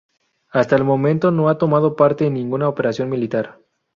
Hasta el momento no ha tomado parte en ninguna operación militar.